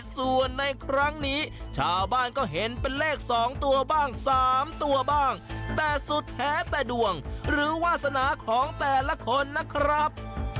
ส่วนในครั้งนี้ชาวบ้านก็เห็นเป็นเลข๒ตัวบ้าง๓ตัวบ้างแต่สุดแท้แต่ดวงหรือวาสนาของแต่ละคนนะครับ